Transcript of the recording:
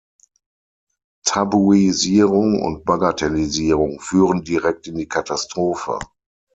Tabuisierung und Bagatellisierung führen direkt in die Katastrophe.